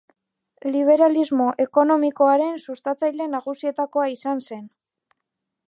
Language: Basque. Liberalismo ekonomikoaren sustatzaile nagusietakoa izan zen.